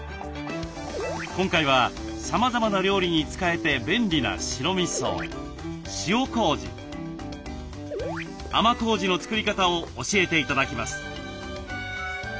今回はさまざまな料理に使えて便利な白みそ塩こうじ甘こうじの作り方を教えて頂きます。